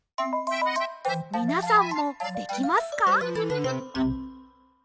みなさんもできますか？